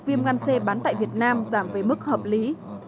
viêm gan c bán tại việt nam giảm về mức hợp lý